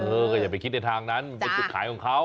เออก็อย่าไปคิดในทางนั้นมันเป็นจุดขายของเขา